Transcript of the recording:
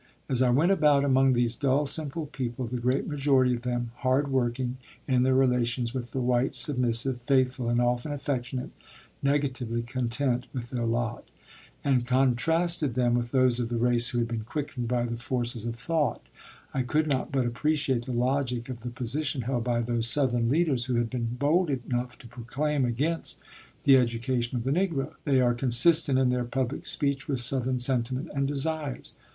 As I went about among these dull, simple people the great majority of them hard working, in their relations with the whites submissive, faithful, and often affectionate, negatively content with their lot and contrasted them with those of the race who had been quickened by the forces of thought, I could not but appreciate the logic of the position held by those Southern leaders who have been bold enough to proclaim against the education of the Negro. They are consistent in their public speech with Southern sentiment and desires.